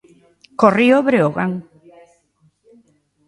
Co Río Breogán.